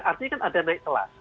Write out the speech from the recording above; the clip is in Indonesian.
artinya kan ada naik kelas